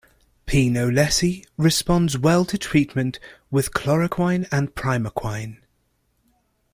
"P. knowlesi" responds well to treatment with chloroquine and primaquine.